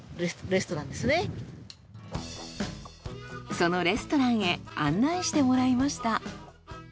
そのレストランへ案内してもらいました。